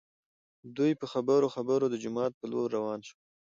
دوي په خبرو خبرو د جومات په لور راوان شول.